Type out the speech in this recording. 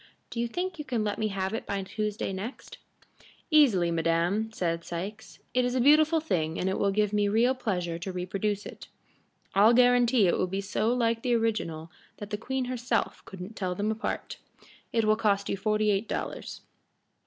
Do you think you can let me have it by Tuesday next?" "Easily, madam," said Sikes. "It is a beautiful thing and it will give me real pleasure to reproduce it. I'll guarantee it will be so like the original that the queen herself couldn't tell 'em apart. It will cost you forty eight dollars.